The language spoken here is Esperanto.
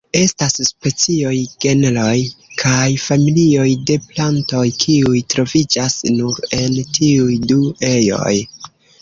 Estas specioj, genroj, kaj familioj de plantoj kiuj troviĝas nur en tiuj du ejoj.